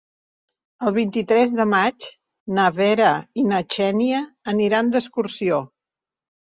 El vint-i-tres de maig na Vera i na Xènia aniran d'excursió.